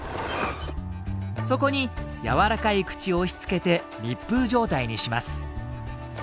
そこに柔らかい口を押しつけて密封状態にします。